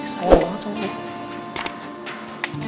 sayang banget sama dia